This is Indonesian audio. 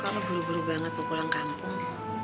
kok lo buru buru banget mau pulang kampung